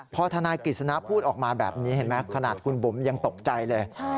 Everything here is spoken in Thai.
พอทนายกฤษณะพูดออกมาแบบนี้เห็นไหมขนาดคุณบุ๋มยังตกใจเลย